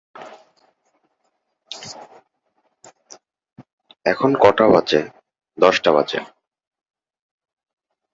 "এখন কটা বাজে?" "দশটা বাজে।"